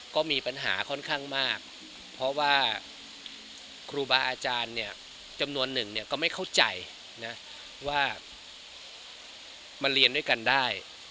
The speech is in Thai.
ก็มีปัญหาค่อนข้างมากเพราะว่าครูบาอาจารย์เนี่ยจำนวนหนึ่งเนี่ยก็ไม่เข้าใจนะว่ามาเรียนด้วยกันได้